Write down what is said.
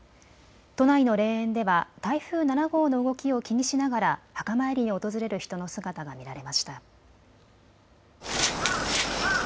都内の霊園では台風７号の動きを気にしながら墓参りに訪れる人の姿が見られました。